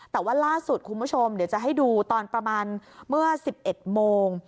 แต่ว่าล่าสุดคุณผู้ชมเดี๋ยวจะให้ดูตอนประมาณเมื่อ๑๑โมง